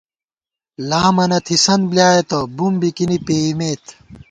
لامَنہ تھِسَنت بۡلیایَہ تہ ، بُم بِکِنی پېئیمېت